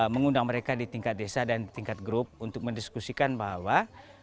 mengundang mereka di tingkat desa dan di tingkat grup untuk mendiskusikan bahwa